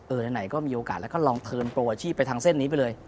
ไหนก็มีโอกาสแล้วก็ลองเทินโปรอาชีพไปทางเส้นนี้ไปเลย